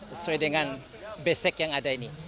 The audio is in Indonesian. sesuai dengan basic yang ada ini